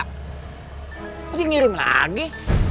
kok dia ngirim lagi